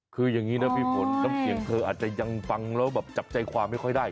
คืออย่างนี้นะพี่ฝนน้ำเสียงเธออาจจะยังฟังแล้วแบบจับใจความไม่ค่อยได้